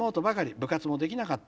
部活もできなかった。